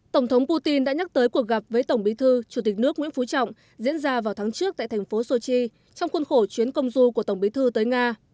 tổng thống putin đã nhắc tới cuộc gặp với tổng bí thư chủ tịch nước nguyễn phú trọng diễn ra vào tháng trước tại thành phố sochi trong khuôn khổ chuyến công du của tổng bí thư tới nga